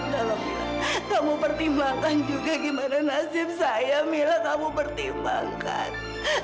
dalam kamu pertimbangkan juga gimana nasib saya mila kamu pertimbangkan